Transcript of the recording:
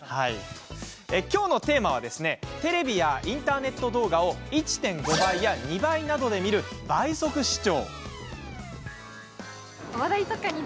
今日のテーマはテレビやインターネット動画を１．５倍や２倍などで見る倍速視聴。